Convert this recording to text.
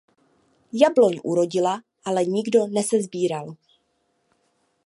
Jabloň urodila, ale nikdo nesesbíral.